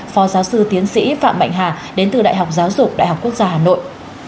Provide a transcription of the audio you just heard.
phó giáo sư tiến sĩ phạm mạnh hà đến từ đại học giáo dục đại học quốc gia hà nội